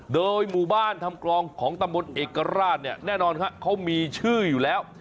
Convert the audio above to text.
โดยหมู่บ้านทำกลองของตำบลเอกราชเนี่ยแน่นอนครับเขามีชื่ออยู่แล้ว